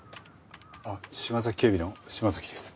あっ島崎警備の島崎です。